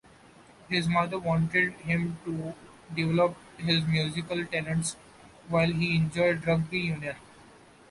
His mother wanted him to develop his musical talents, while he enjoyed rugby union.